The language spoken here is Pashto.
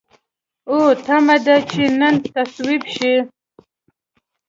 او تمه ده چې نن تصویب شي.